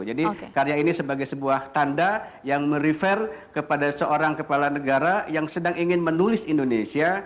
karya ini sebagai sebuah tanda yang merefer kepada seorang kepala negara yang sedang ingin menulis indonesia